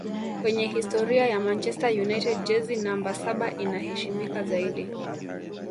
Kwenye historia ya manchester united jezi namba saba inaheshimika zaidi